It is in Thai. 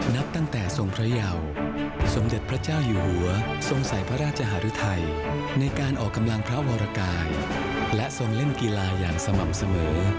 นับตั้งแต่ทรงพระเยาสมเด็จพระเจ้าอยู่หัวทรงใส่พระราชหารุทัยในการออกกำลังพระวรกายและทรงเล่นกีฬาอย่างสม่ำเสมอ